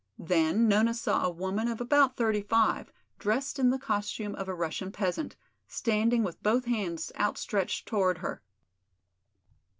Then Nona saw a woman of about thirty five, dressed in the costume of a Russian peasant, standing with both hands outstretched toward her.